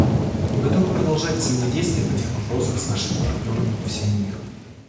Мы готовы продолжать взаимодействие в этих вопросах с нашими партнерами по всему миру.